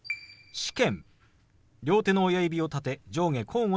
「試験」。